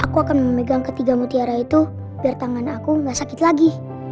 aku akan memegang ketiga mutiara itu biar tangan aku nggak sakit lagi